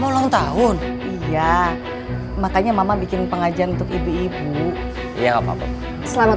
mau ulang tahun ya makanya mama bikin pengajian untuk ibu ibu ya apa selamat